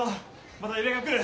また揺れが来る！